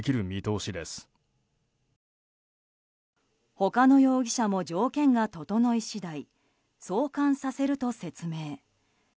他の容疑者も条件が整い次第送還させると説明。